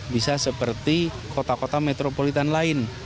bisa seperti kota kota metropolitan lain